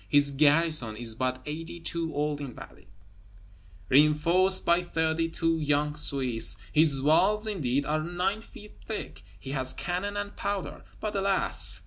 His garrison is but eighty two old Invalides, reinforced by thirty two young Swiss; his walls, indeed, are nine feet thick; he has cannon and powder, but alas!